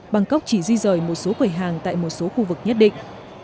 bangkok chỉ di rời một số quầy hàng tại một số khu vực nhất định